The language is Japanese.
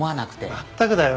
まったくだよ。